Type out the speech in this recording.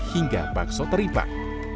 hingga bakso teripak